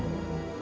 ya udah yuk